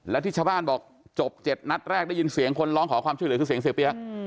และที่ชาวบ้านบอกจบ๗นัดแรกได้ยินเสียงคนร้องขอความช่วยเหลือคือเสียงเสียเปี๊ยก